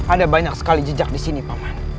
ada banyak sekali jejak disini paman